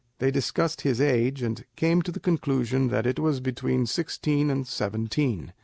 They discussed his age, and came to the conclusion that it was between sixteen and seventeen.